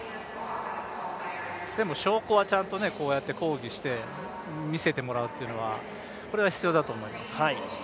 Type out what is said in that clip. でも証拠はこうやって抗議して見せてもらうというのは必要だと思います。